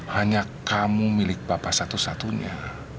hanya kamu milik bapak satu satunya